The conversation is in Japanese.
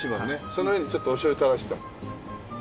その上にちょっとおしょう油垂らして。